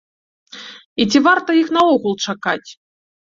І ці варта іх наогул чакаць?